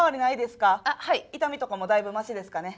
痛みとかもだいぶマシですかね？